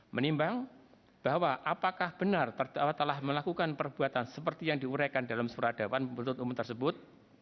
menimbang bahwa apakah benar terdapatlah melakukan perbuatan seperti yang diurekan dalam surat dawan berikut umum tersebut